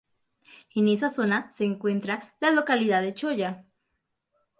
En esa zona se encuentra la localidad de Choya.